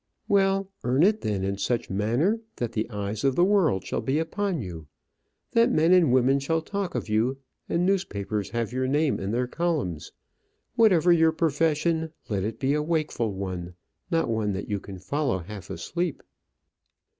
"Well, earn it then in such manner that the eyes of the world shall be upon you; that men and women shall talk of you, and newspapers have your name in their columns. Whatever your profession, let it be a wakeful one; not one that you can follow half asleep."